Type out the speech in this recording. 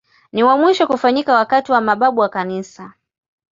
Ni wa mwisho kufanyika wakati wa mababu wa Kanisa.